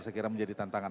saya kira menjadi tantangan